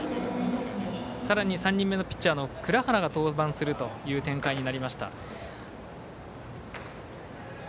さらに３人目のピッチャーの藏原が登板するという展開になりました。